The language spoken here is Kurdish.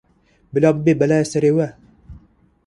Bila bibe belayê serê we.